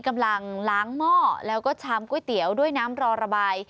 กำลังล้างหม้อแล้วก็ชามก๋วยเตี๋ยวด้วยน้ำรอระบาย